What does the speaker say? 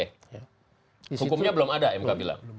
hukumnya belum ada mk bilang